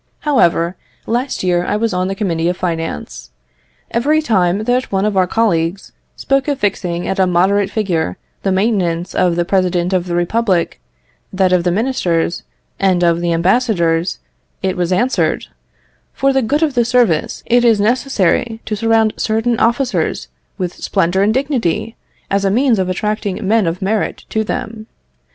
However, last year I was on the Committee of Finance. Every time that one of our colleagues spoke of fixing at a moderate figure the maintenance of the President of the Republic, that of the ministers, and of the ambassadors, it was answered: "For the good of the service, it is necessary to surround certain offices with splendour and dignity, as a means of attracting men of merit to them.